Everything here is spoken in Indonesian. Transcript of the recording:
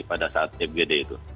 pada saat fgd itu